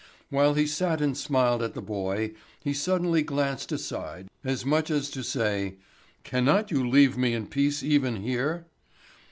While he sat and smiled at the boy, he suddenly glanced aside, as much as to say: "Cannot you leave me in peace even here?"